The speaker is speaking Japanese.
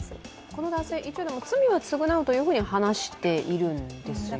この男性、罪は償うというふううに話しているんですよね。